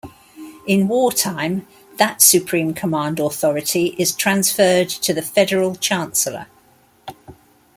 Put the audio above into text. In wartime, that supreme command authority is transferred to the "Federal Chancellor".